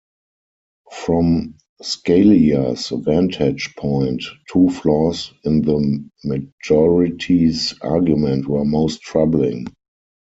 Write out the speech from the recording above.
From Scalia's vantage point, two flaws in the majority's argument were most troubling.